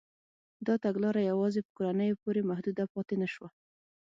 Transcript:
دا تګلاره یوازې په کورنیو پورې محدوده پاتې نه شوه.